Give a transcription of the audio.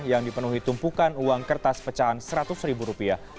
yang dipenuhi tumpukan uang kertas pecahan seratus ribu rupiah